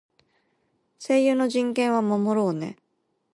声優の人権は守ろうね。